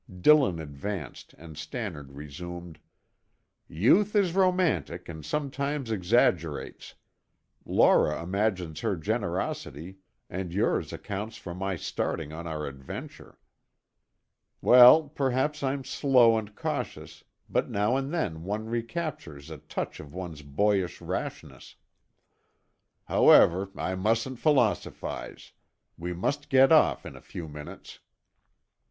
Dillon advanced and Stannard resumed: "Youth is romantic and sometimes exaggerates. Laura imagines her generosity and yours accounts for my starting on our adventure. Well, perhaps I'm slow and cautious, but now and then one recaptures a touch of one's boyish rashness. However, I mustn't philosophize. We must get off in a few minutes."